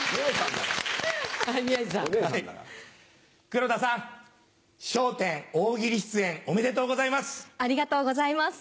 黒田さん『笑点』大喜利出演おめでとうございます。